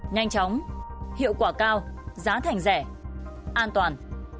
nhanh chóng hiệu quả cao giá thành rẻ an toàn